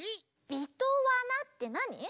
「びとわな」ってなに？